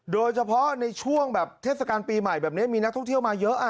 โดยเฉพาะในช่วงแบบเทศกาลปีใหม่แบบนี้มีนักท่องเที่ยวมาเยอะ